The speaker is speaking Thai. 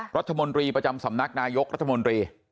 รัฐมนตรีประจำสำนักนายกรัฐมนตรี